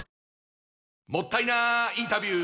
もったいなインタビュー！